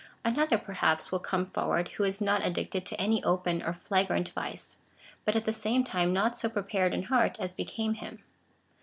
Another, perhaps, Avill come forward, who is not addicted to any open or flagrant vice, but at the same time not so prepared in heart as became him.